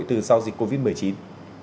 từ sau dịch covid một mươi chín